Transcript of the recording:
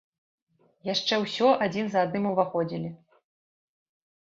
Яшчэ ўсё адзін за адным уваходзілі.